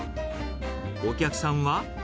お客さんは。